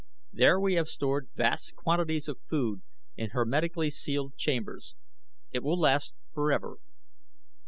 There we have stored vast quantities of food in hermetically sealed chambers. It will last forever.